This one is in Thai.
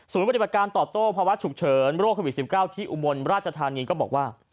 สูงดินปฏิบัติการต่อโตภวัฒน์ฉุกเฉินโรคโควิด๑๙ที่อุบลราชทานีก็บอกว่า